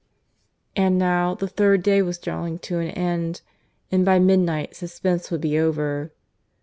And now the third day was drawing to an end, and by midnight suspense would be over.